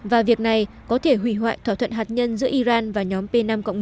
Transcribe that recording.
và việc này có thể hủy hoại thỏa thuận hạt nhân giữa iran và nhóm p năm một